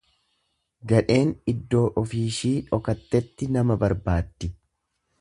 Gadheen iddoo ofiishii dhokattetti nama barbaaddi.